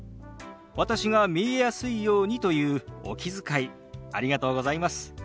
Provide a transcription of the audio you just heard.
私が見えやすいようにというお気遣いありがとうございます。